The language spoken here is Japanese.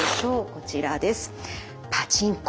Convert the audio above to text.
こちらです。